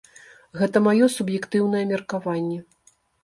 Гэта маё суб'ектыўнае меркаванне.